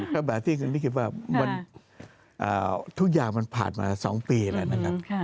ก็แบบที่คุณพี่คิดว่าทุกอย่างมันผ่านมา๒ปีแล้วนะครับ